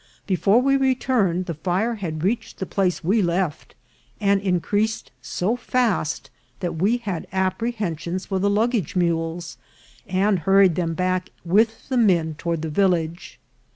Before we returned the fire had reached the place we left, and increased so fast that we had apprehensions for the luggage mules, and hurried them back with the men toward the village.